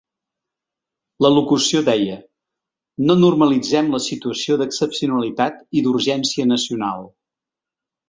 La locució deia: No normalitzem la situació d’excepcionalitat i d’urgència nacional.